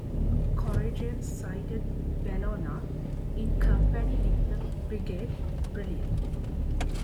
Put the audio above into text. "Courageux" sighted "Bellona" in company with the frigate "Brilliant".